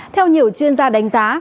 theo nhiều chuyên gia đánh giá